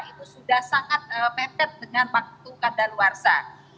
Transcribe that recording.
itu sudah sangat meted dengan waktu kedaluarsa